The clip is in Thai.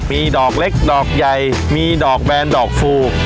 มีดอกเล็กดอกใหญ่มีดอกแบนดอกฟู